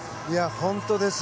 本当です。